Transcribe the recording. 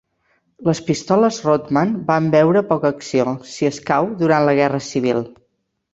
Les pistoles Rodman va veure poca acció, si escau, durant la guerra civil.